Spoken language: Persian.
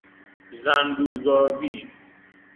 زنبور گاوی